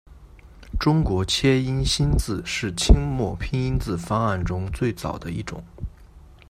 中国切音新字是清末拼音字方案中最早的一种。